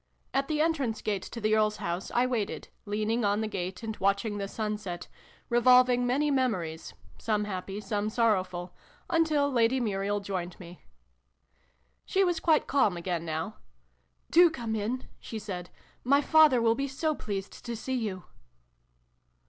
At the entrance gate to the Earl's house I waited, leaning on the gate and watching the sun set, revolving many memories some happy, some sorrowful until Lady Muriel joined me. She was quite calm again now. " Do come in," she said. " My father will be so pleased to see you